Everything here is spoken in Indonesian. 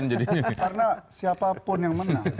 karena siapapun yang menang